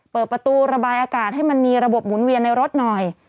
เปิดประตูระบายอากาศให้มันมีระบบหมุนเวียนในรถหน่อย